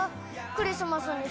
クリスマスに